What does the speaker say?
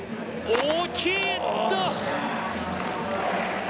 大きい！